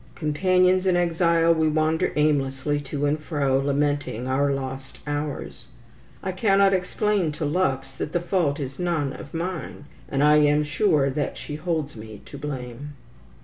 Companions in exile, we wander aimlessly to and fro, lamenting our lost hours. I cannot explain to Lux that the fault is none of mine, and I am sure that she holds me to blame.